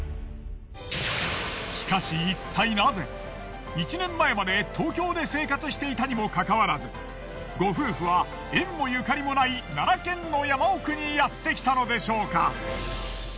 しかしいったいなぜ１年前まで東京で生活していたにもかかわらずご夫婦は縁もゆかりもない奈良県の山奥にやってきたのでしょうか？